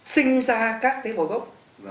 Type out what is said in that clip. sinh ra các tế bồi gốc